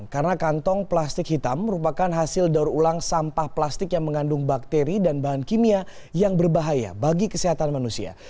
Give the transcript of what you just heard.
karena kantong plastik hitam merupakan hasil daur ulang sampah plastik yang mengandung bakteri dan bahan kimia yang berbahaya bagi kesehatan manusia